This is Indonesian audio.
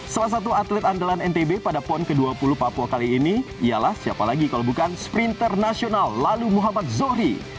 salah satu atlet andalan ntb pada pon ke dua puluh papua kali ini ialah siapa lagi kalau bukan sprinter nasional lalu muhammad zohri